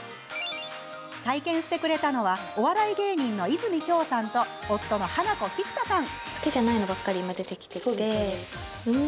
体験してくれたのはお笑い芸人の和泉杏さんと夫のハナコ、菊田さん。